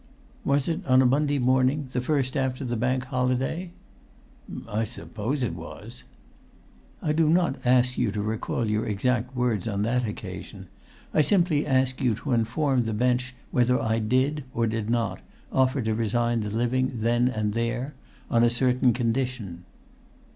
"Was it on a Monday morning, the first after the Bank Holiday?" "I suppose it was." "I do not ask you to recall your exact words on that occasion. I simply ask you to inform the bench whether I did, or did not, offer to resign the living then and there—on a certain condition."